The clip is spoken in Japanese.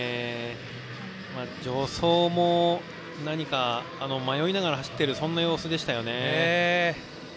助走も何か、迷いながら走っているそんな様子でしたよね。